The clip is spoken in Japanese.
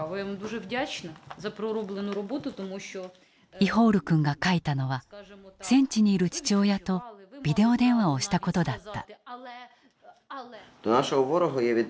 イホール君が書いたのは戦地にいる父親とビデオ電話をしたことだった。